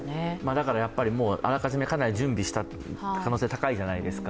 だからやっぱりもうあらかじめかなり準備していた可能性は高いじゃないですか。